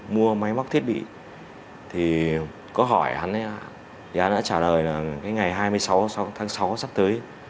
mua máy móc thiết bị thì có hỏi hắn thì hắn đã trả lời là ngày hai mươi sáu tháng sáu sắp tới